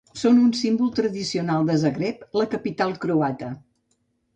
Són un símbol tradicional de Zagreb, la capital croata.